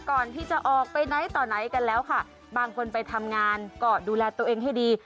ก่อนที่จะออกไปไหนต่อไหนกันแล้วค่ะบางคนไปทำงานก็ดูแลตัวเองให้ดี